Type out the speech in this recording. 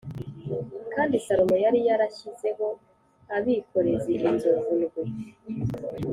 Kandi Salomo yari yarashyizeho abikorezi inzovu ndwi